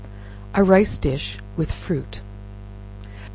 A Rice Dish with Fruit.